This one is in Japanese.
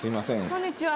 こんにちは